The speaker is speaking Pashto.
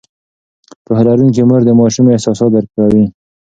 پوهه لرونکې مور د ماشوم احساسات درک کوي.